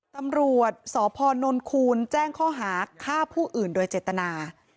ตำรวจสพนคูณแจ้งข้อหาฆ่าผู้อื่นโดยเจตนา